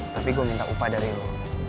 tapi gue minta upah dari lo